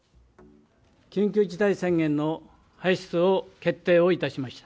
緊急事態宣言の発出を決定をいたしました。